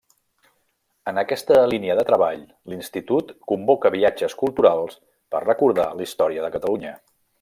En aquesta línia de treball, l'Institut convoca viatges culturals per recordar la història de Catalunya.